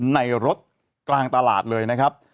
ในรถกลางตลาดเลยนะครับ